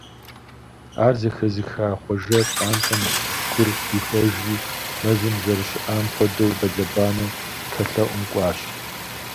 Ар зэхэзыха Хъуэжэ пщӀантӀэм гур дихуэжри, мэзым зэрыщыӀам хуэдэу, бэлэбанэу тхьэлъэӀум кӀуащ.